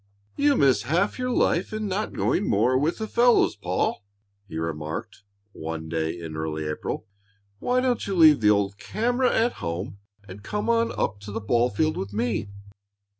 "You miss half your life in not going more with the fellows, Paul," he remarked one day in early April. "Why don't you leave the old camera at home and come on up to the ball field with me?